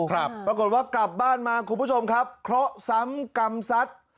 ปรากฏว่ากลับบ้านมาครอบครัวสำกรรมซัด